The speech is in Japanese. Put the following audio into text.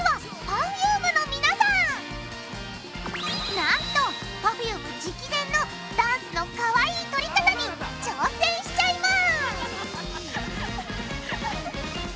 なんとＰｅｒｆｕｍｅ直伝のダンスのかわいい撮りかたに挑戦しちゃいます！